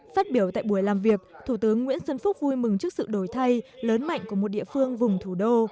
phát biểu tại buổi làm việc thủ tướng nguyễn xuân phúc vui mừng trước sự đổi thay lớn mạnh của một địa phương vùng thủ đô